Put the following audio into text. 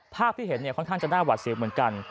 ภาพที่เห็นค่อนข้างจะน่าหวัดเสียวเหมือนกัน